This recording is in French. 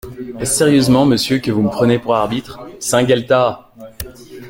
Est-ce sérieusement, monsieur, que vous me prenez pour arbitre ? SAINT-GUELTAS.